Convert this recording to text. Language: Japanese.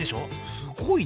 すごいね。